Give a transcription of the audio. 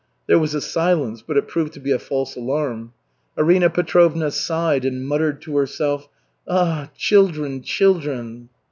There was a silence, but it proved to be a false alarm. Arina Petrovna sighed and muttered to herself, "Ah, children, children!"